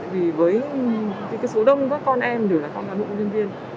vì với số đông các con em đều là con đoàn hữu nhân viên